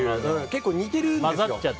結構、似てるんですよ。